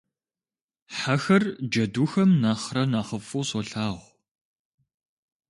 Хьэхэр джэдухэм нэхърэ нэхъыфӀу солъагъу.